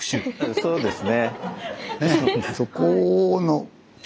そうですね。